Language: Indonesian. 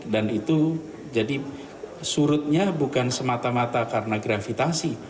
dan itu jadi surutnya bukan semata mata karena gravitasi